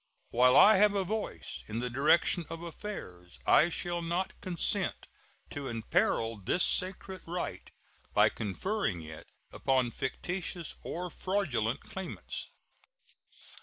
While I have a voice in the direction of affairs I shall not consent to imperil this sacred right by conferring it upon fictitious or fraudulent claimants.